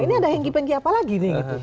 ini ada hengkih pengkih apa lagi nih